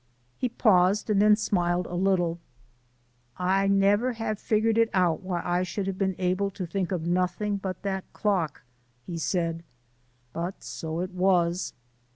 He paused and then smiled a little. "I never have figured it out why I should have been able to think of nothing but that clock," he said, "but so it was."